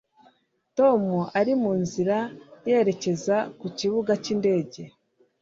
Tom ari mu nzira yerekeza ku kibuga cyindege